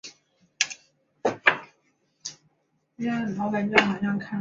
城名是当地原来汉特人地主的家族名称。